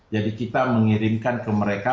kita mengirimkan ke mereka